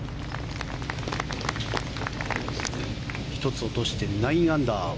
１つ落として９アンダー。